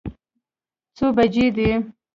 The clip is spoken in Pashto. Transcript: څو بجې دي.